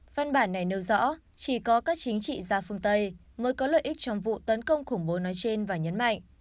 văn bản này nêu rõ chỉ có các chính trị gia phương tây mới có lợi ích trong vụ tấn công khủng bố nói trên và nhấn mạnh